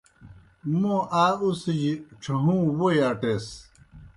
موں آ اُڅِھجیْ ڇھہُوں ووئی اٹیس۔